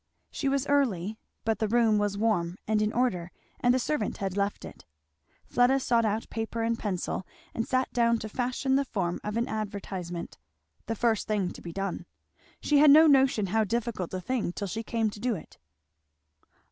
She was early, but the room was warm and in order and the servant had left it. Fleda sought out paper and pencil and sat down to fashion the form of an advertisement, the first thing to be done. She had no notion how difficult a thing till she came to do it.